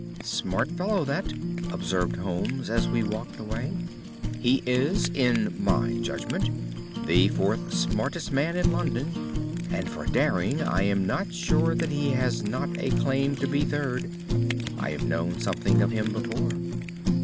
"Smart fellow, that," observed Holmes as we walked away. "He is, in my judgment, the fourth smartest man in London, and for daring I am not sure that he has not a claim to be third. I have known something of him before."